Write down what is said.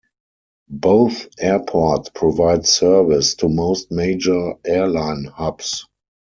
Both airports provide service to most major airline hubs.